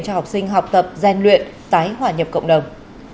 cho học sinh học tập gian luyện tái hòa nhập cộng đồng